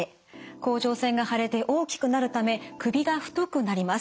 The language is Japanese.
甲状腺が腫れて大きくなるため首が太くなります。